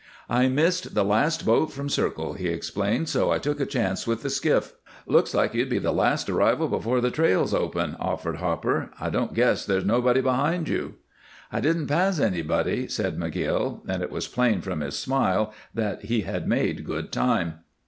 "I missed the last boat from Circle," he explained, "so I took a chance with the skiff." "Looks like you'd be the last arrival before the trails open," offered Hopper. "I don't guess there's nobody behind you?" "I didn't pass anybody," said McGill, and it was plain from his smile that he had made good time.